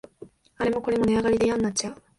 あれもこれも値上がりでやんなっちゃう